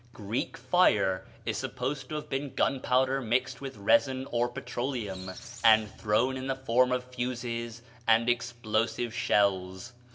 "Greek fire" is supposed to have been gunpowder mixed with resin or petroleum, and thrown in the form of fuses and explosive shells.